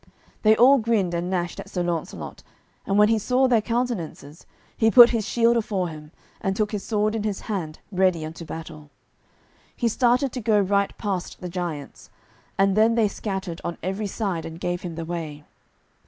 They all grinned and gnashed at Sir Launcelot, and when he saw their countenances, he put his shield afore him, and took his sword in his hand ready unto battle. He started to go right past the giants, and then they scattered on every side and gave him the way.